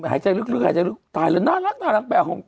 หายใจลึกตายแล้วน่ารักแปลว่า